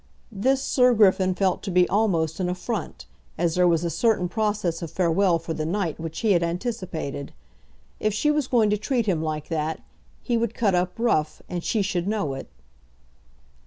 This Sir Griffin felt to be almost an affront, as there was a certain process of farewell for the night which he had anticipated. If she was going to treat him like that, he would cut up rough, and she should know it.